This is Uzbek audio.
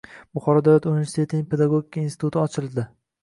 Buxoro davlat universitetining Pedagogika instituti ochildi